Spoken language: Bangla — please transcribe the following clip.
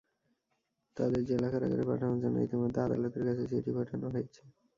তাদের জেলা কারাগারে পাঠানোর জন্য ইতিমধ্যে আদালতের কাছে চিঠি পাঠানো হয়েছে।